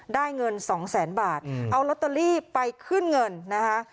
เงินสองแสนบาทเอาลอตเตอรี่ไปขึ้นเงินนะคะ